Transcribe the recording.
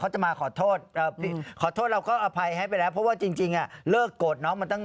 อาจารย์ศิริอยู่พี่มายอยู่ฉันได้พูดบ้าง